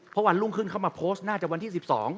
เพราะวันรุ่งขึ้นเขามาโพสต์น่าจะวันที่๑๒